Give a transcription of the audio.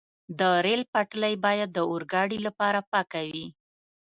د ریل پټلۍ باید د اورګاډي لپاره پاکه وي.